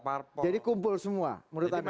partai jadi kumpul semua menurut anda